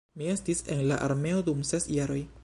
Mi estis en la armeo dum ses jaroj